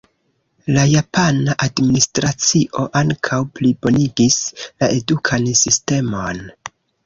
La japana administracio ankaŭ plibonigis la edukan sistemon.